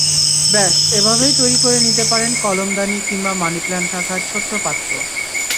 ব্যস, এভাবেই তৈরি করে নিতে পারেন কলমদানি, কিংবা মানিপ্ল্যান্ট রাখার ছোট্ট পাত্র।